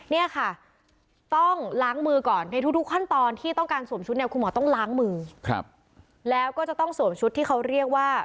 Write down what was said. เนี่ยค่ะต้องล้างมือก่อนในทุกขั้นตอนที่ต้องการสวมชุดเนี่ยคุณหมอต้องล้างมือแล้วก็จะต้องสวมชุดที่เขาเรียกว่า